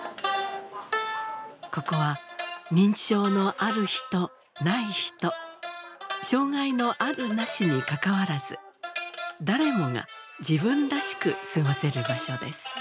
ここは認知症のある人ない人障害のあるなしにかかわらず誰もが自分らしく過ごせる場所です。